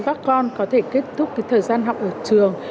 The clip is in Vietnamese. các con có thể kết thúc cái thời gian học ở trường